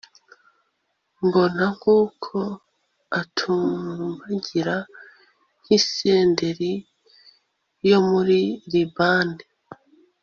mbona n'uko atumbagira nk'isederi yo muri libani